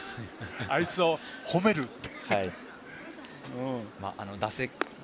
あいつを褒めると。